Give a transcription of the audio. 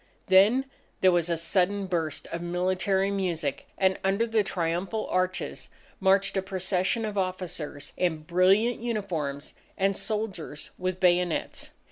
Then there was a sudden burst of military music, and under the triumphal arches marched a procession of officers in brilliant uniforms and soldiers with bayonets.